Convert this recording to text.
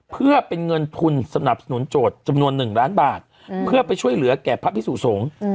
เพื่อเป็นเงินทุนสนับสนุนโจทย์จำนวน๑ล้านบาทเพื่อไปช่วยเหลือแก่พระพิสุสงฆ์